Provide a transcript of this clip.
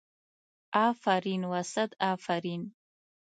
افرین و صد افرین.